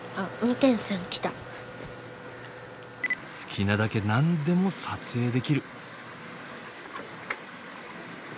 好きなだけ何でも撮影できる。